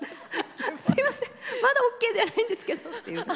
すいませんまだＯＫ出ないんですけどっていう。